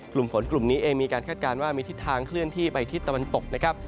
กลุ่มฝนกลุ่มนี้เองมีการคาดการณ์ว่ามีทิศทางเคลื่อนที่ไปทิศตะวันตกนะครับ